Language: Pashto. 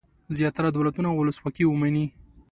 زیاتره دولتونه ولسواکي ومني.